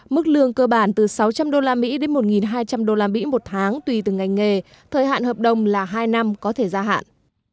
mức lương cơ bản từ sáu trăm linh usd đến một hai trăm linh usd một tháng tùy từng ngành nghề thời hạn hợp đồng là hai năm có thể gia hạn